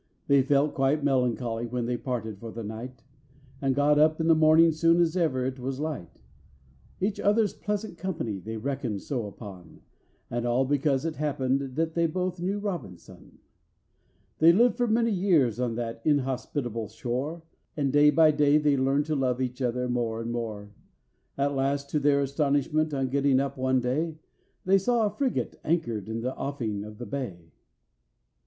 They felt quite melancholy when they parted for the night, And got up in the morning soon as ever it was light; Each other's pleasant company they reckoned so upon, And all because it happened that they both knew ROBINSON! They lived for many years on that inhospitable shore, And day by day they learned to love each other more and more. At last, to their astonishment, on getting up one day, They saw a frigate anchored in the offing of the bay.